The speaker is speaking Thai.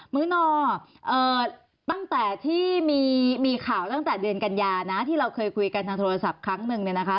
มื้อนอตั้งแต่ที่มีข่าวตั้งแต่เดือนกันยานะที่เราเคยคุยกันทางโทรศัพท์ครั้งหนึ่งเนี่ยนะคะ